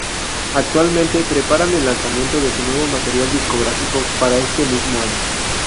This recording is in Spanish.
Actualmente preparan el lanzamiento de su nuevo material discográfico para este mismo año.